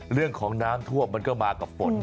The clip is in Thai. เรื่องของน้ำท่วมมันก็มากับฝน